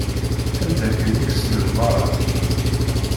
Anda aken i k-snen meṛṛa.